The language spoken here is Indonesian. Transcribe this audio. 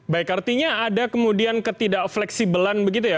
baik artinya ada kemudian ketidak fleksibelan begitu ya